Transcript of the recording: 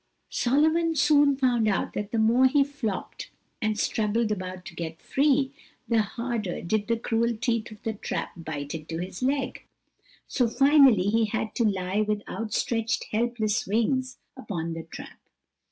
Solomon soon found out that the more he flopped and struggled about to get free, the harder did the cruel teeth of the trap bite into his leg; so, finally, he had to lie with outstretched, helpless wings upon the trap.